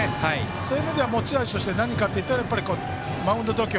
そういう意味では持ち味として何かといったらマウンド度胸。